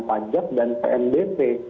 pajak dan pndp